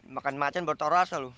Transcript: makan macan baru tau rasa lu